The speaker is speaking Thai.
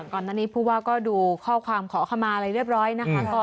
ก่อนอันนี้พูดว่าก็ดูข้อความขอเข้ามาอะไรเรียบร้อยนะครับ